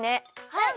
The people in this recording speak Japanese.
うん！